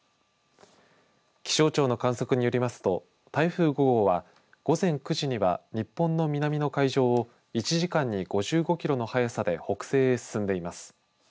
気象庁の観測によりますと台風５号は午前９時には日本の南の海上を１時間に５５キロの速さで北西へ進んでいます。